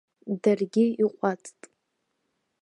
Даргьы иҟәаҵт.